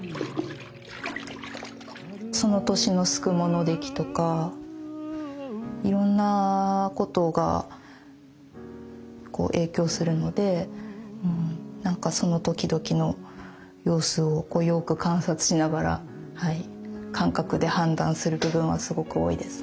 その年のすくもの出来とかいろんなことがこう影響するのでなんかその時々の様子をこうよく観察しながら感覚で判断する部分はすごく多いですね。